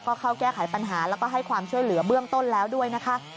ก็เข้าแก้ไขปัญหาแล้วก็ให้ความช่วยเหลือเบื้องต้นแล้วด้วยนะคะ